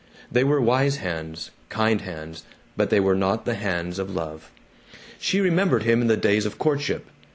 They were wise hands, kind hands, but they were not the hands of love. She remembered him in the days of courtship.